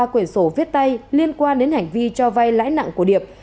ba quyển sổ viết tay liên quan đến hành vi cho vay lãi nặng của điệp